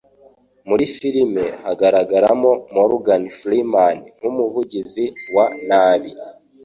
Muri filime hagaragaramo Morgan Freeman nk'umugizi wa nabi